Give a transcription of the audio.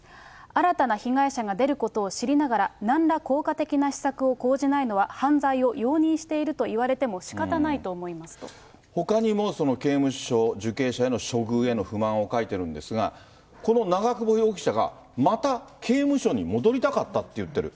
新たな被害者が出ることを知りながら、なんら効果的な施策を講じないのは犯罪を容認しているといわれてほかにも刑務所、受刑者への処遇への不満を書いてるんですが、この長久保容疑者がまた刑務所に戻りたかったって言ってる。